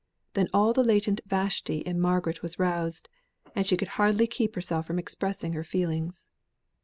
Then all the latent Vashti in Margaret was roused, and she could hardly keep herself from expressing her feelings.